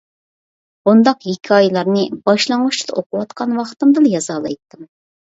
بۇنداق ھېكايىلەرنى باشلانغۇچتا ئوقۇۋاتقان ۋاقتىمدىلا يازالايتتىم.